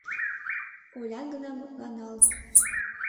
Олян гына мутланалыт